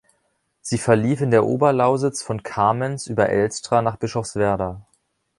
Sie verlief in der Oberlausitz von Kamenz über Elstra nach Bischofswerda.